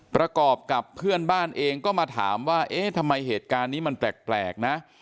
ประกอบกับเพื่อนบ้านเองก็มาถามว่าเอ๊ะทำไมเหตุการณ์นี้มันแปลกนะ